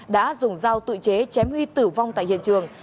đã dùng dao tự chế chém huy tử vong tại hiện trường